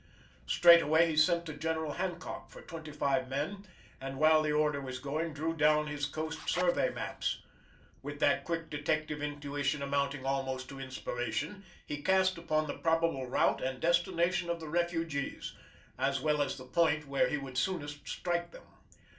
Straightway he sent to General Hancock for twenty five men, and while the order was going, drew down his coast survey maps. With that quick detective intuition amounting almost to inspiration, he cast upon the probable route and destination of the refugees, as well as the point where he would soonest strike them.